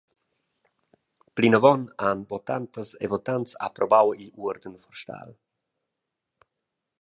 Plinavon han votantas e votants approbau igl uorden forstal.